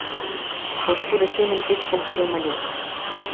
Пошкудо семын кеч полшем ыле.